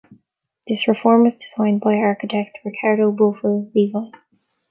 This reform was designed by architect Ricardo Bofill Levi.